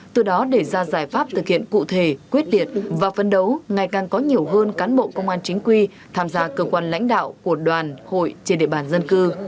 từ đó để ra giải pháp thực hiện cụ thể quyết liệt và phân đấu ngày càng có nhiều hơn cán bộ công an chính quy tham gia cơ quan lãnh đạo của đoàn hội trên địa bàn dân cư